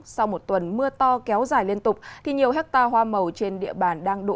sau một tuần mưa to kéo dài liên tục nhiều hecta hoa màu trên địa bàn